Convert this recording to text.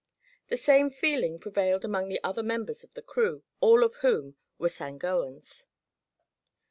The same feeling prevailed among the other members of the crew, all of whom were Sangoans.